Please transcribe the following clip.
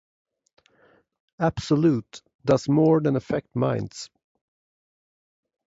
"Absolute" does more than affect minds.